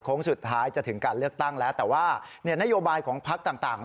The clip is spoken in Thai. สุดท้ายจะถึงการเลือกตั้งแล้วแต่ว่านโยบายของพักต่าง